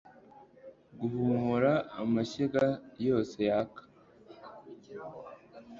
guhumura amashyiga yose yaka